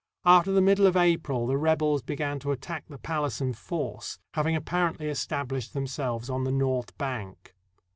After the middle of April the rebels began to attack the palace in force, having apparently established themselves on the north bank.